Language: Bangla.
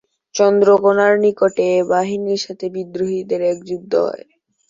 চন্দ্রকোণার নিকটে এ বাহিনীর সাথে বিদ্রোহীদের এক যুদ্ধ হয়।